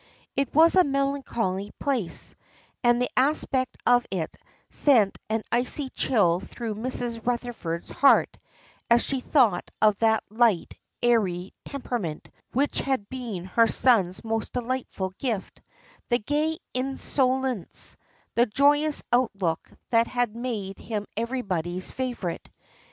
It was a melancholy place, and the aspect of it sent an icy chill through Mrs. Rutherford's heart as she thought of that light, airy temperament which had been her son's most delightful gift, the gay insouciance, the joyous outlook that had made him everybody's favourite.